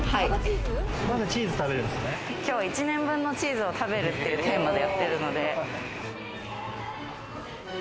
今日、１年分のチーズを食べるっていうテーマでやってるので。